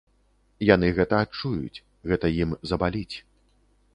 Яны гэта адчуюць, гэта ім забаліць.